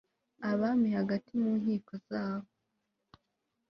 Abami hagati mu nkiko zabo